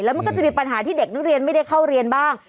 มันก็จะมีปัญหาที่เด็กนักเรียนไม่ได้เข้าเรียนบ้าง